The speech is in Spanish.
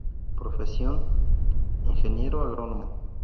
Profesión: Ingeniero agrónomo.